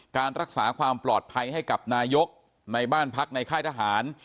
การรักษาความปลอดภัยให้กับนายกในบ้านพักในค่ายทหาร